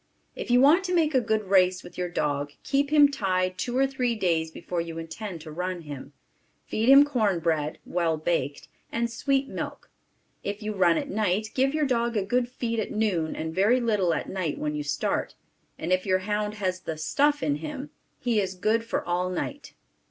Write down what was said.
If you want to make a good race with your dog, keep him tied two or three days before you intend to run him, feed him corn bread (well baked) and sweet milk. If you run at night, give your dog a good feed at noon and very little at night when you start, and if your hound has the "stuff" in him he is good for all night.